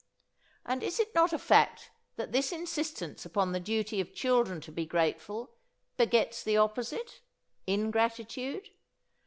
And is it not a fact that this insistence upon the duty of children to be grateful begets the opposite: ingratitude?